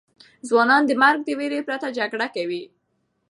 ځوانان د مرګ د ویرې پرته جګړه کوي.